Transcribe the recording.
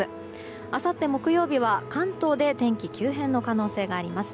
あさって、木曜日は関東で天気急変の可能性があります。